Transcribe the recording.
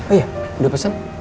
oh iya udah pesen